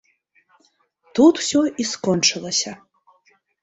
Тут усё і скончылася.